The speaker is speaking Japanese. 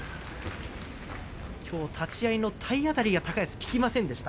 きょう立ち合いの体当たりが高安、効きませんでした。